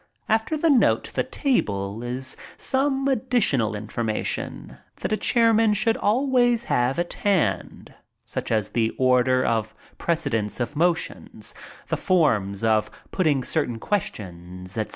] After the note to the Table is some additional information that a chairman should always have at hand, such as the Order of Precedence of Motions, the Forms Of Putting Certain Questions, etc.